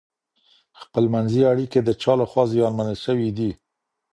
خپلمنځي اړیکې د چا له خوا زیانمنې سوي دي؟